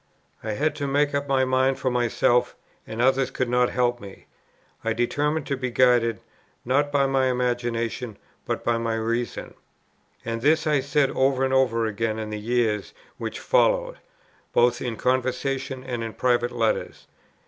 I had to make up my mind for myself, and others could not help me. I determined to be guided, not by my imagination, but by my reason. And this I said over and over again in the years which followed, both in conversation and in private letters.